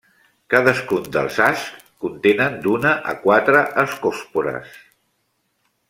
Cadascun dels ascs contenen d'una a quatre ascòspores.